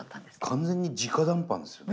完全にじか談判ですよね。